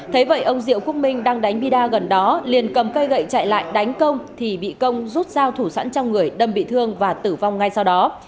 thế vậy ông diệu quốc minh đang đánh bida gần đó liền cầm cây gậy chạy lại đánh công thì bị công rút dao thủ sẵn trong người đâm bị thương và tử vong ngay sau đó